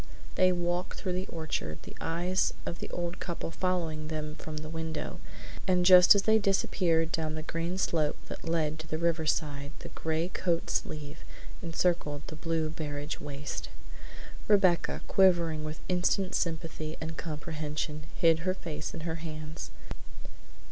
They walked through the orchard, the eyes of the old couple following them from the window, and just as they disappeared down the green slope that led to the riverside the gray coat sleeve encircled the blue barege waist. Rebecca, quivering with instant sympathy and comprehension, hid her face in her hands.